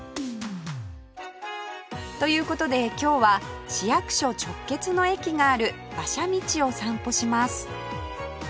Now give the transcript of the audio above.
という事で今日は市役所直結の駅がある馬車道を散歩します